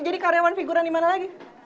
jadi karyawan figuran dimana lagi